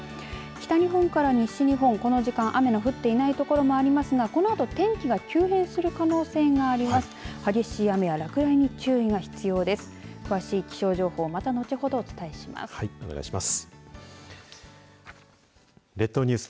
北日本から西日本、この時間雨が降っていない所もありますがこのあと天気が急変する可能性があります。